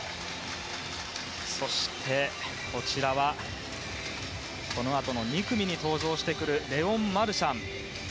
そして、こちらはこのあとの２組に登場してくるレオン・マルシャン。